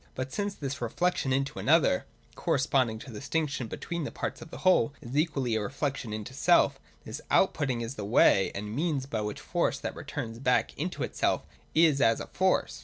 But since this reflection into another (corresponding to the distinction between the Parts of the Whole) is equally a reflection into self, this out putting is the way and means by which Force that returns back into itself is as a Force.